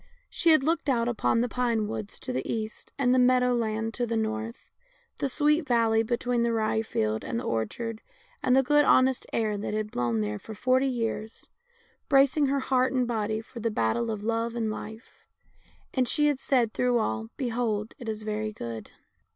She had looked out upon the pine woods to the east and the meadow land to the north, the sweet valley between the rye field and the orchard, and the good honest air that had blown there for forty years, bracing her heart and body for the battle of love and life, and she had said through all, Behold it is very good.